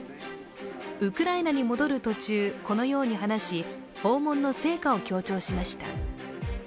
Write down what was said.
ウクライナに戻る途中このように話し訪問の成果を強調しました。